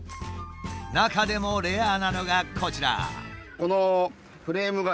中でもレアなのがこちら。